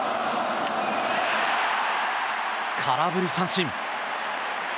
空振り三振。